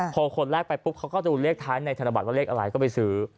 พอคนแรกไปปุ๊บเขาก็ดูเลขท้ายในธนบัตรว่าเลขอะไรก็ไปซื้อ